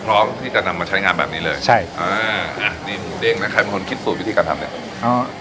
พร้อมที่จะนำมาใช้งานแบบนี้เลยใช่อ่าอ่ะนี่หมูเด้งนะใครเป็นคนคิดสูตรวิธีการทำเนี้ยอ๋อ